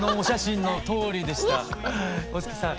大月さん